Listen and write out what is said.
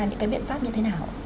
những cái biện pháp như thế nào